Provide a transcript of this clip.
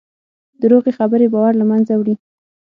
دروغې خبرې باور له منځه وړي.